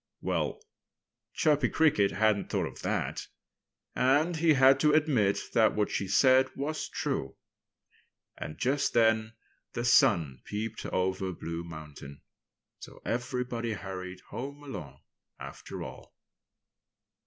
Well, Chirpy Cricket hadn't thought of that. And he had to admit that what she said was true. And just then the sun peeped over Blue Mountain. So everybody hurried home alone, after all.